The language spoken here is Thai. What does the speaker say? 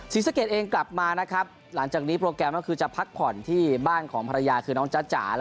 ศรีสะเกดเองกลับมานะครับหลังจากนี้โปรแกรมก็คือจะพักผ่อนที่บ้านของภรรยาคือน้องจ๊ะจ๋า